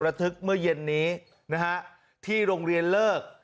ทึกเมื่อเย็นนี้นะฮะที่โรงเรียนเลิก